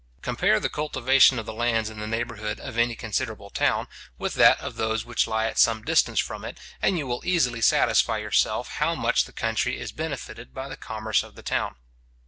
Compare the cultivation of the lands in the neighbourhood of any considerable town, with that of those which lie at some distance from it, and you will easily satisfy yourself bow much the country is benefited by the commerce of the town.